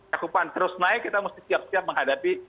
cakupan terus naik kita mesti siap siap menghadapi